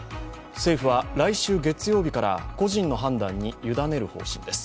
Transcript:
政府は来週月曜日から個人の判断にゆだねる方針です。